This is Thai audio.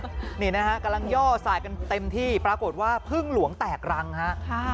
ครับกำลังย่อใส่กันเต็มที่ปรากฏว่าพึ่งหลวงแตกรังครับ